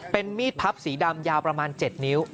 เป็นมีดพับสีดำยาวประมาณ๗นิ้ว